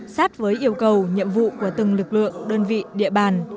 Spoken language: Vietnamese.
sát với yêu cầu nhiệm vụ của từng lực lượng đơn vị địa bàn